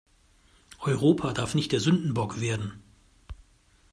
Europa darf nicht der Sündenbock werden!